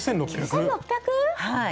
９，６００⁉はい。